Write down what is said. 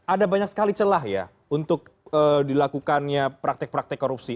ada banyak sekali celah ya untuk dilakukannya praktek praktek korupsi